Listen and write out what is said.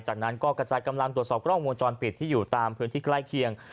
จากนั้นก็กระจายกำลังตรวจสอบกล้องวงจรปิดที่อยู่ตามพื้นที่ใกล้เคียง